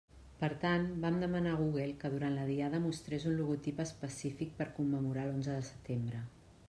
Per tant, vam demanar a Google que durant la Diada mostrés un logotip específic per commemorar l'onze de setembre.